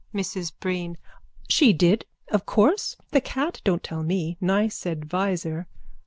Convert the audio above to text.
MRS BREEN: She did, of course, the cat! Don't tell me! Nice adviser!